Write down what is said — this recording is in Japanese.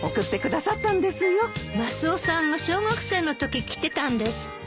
マスオさんが小学生のとき着てたんですって。